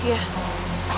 kita bisa masuk ke dalam